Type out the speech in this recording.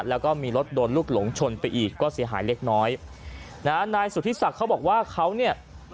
แล้วก็มีรถโดนลูกหลงชนไปอีกก็เสียหายเล็กน้อยนะฮะนายสุธิศักดิ์เขาบอกว่าเขาเนี่ย